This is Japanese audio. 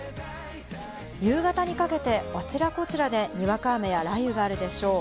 夕方にかけて、あちらこちらでにわか雨や雷雨があるでしょう。